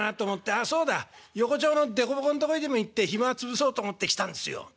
ああそうだ横町のでこぼこんとこへでも行って暇潰そうと思って来たんすよ」。